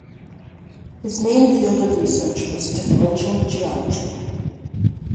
His main field of research was differential geometry.